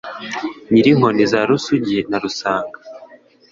Nyirinkoni za Rusugi na Rusanga